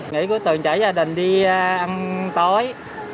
nghỉ của tường chảy gia đình đi ăn tối